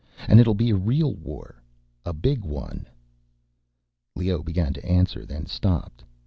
And it'll be a real war ... a big one." Leoh began to answer, then stopped.